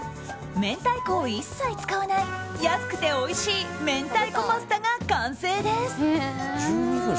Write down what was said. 明太子を一切使わない安くておいしい明太子パスタが完成です。